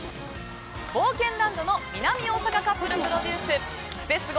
冒険ランドの南大阪カップルプロデュースクセスゴ！